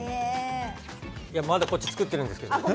まだこっち作っているんですよ。